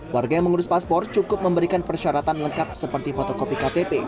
warga yang mengurus paspor cukup memberikan persyaratan lengkap seperti fotokopi ktp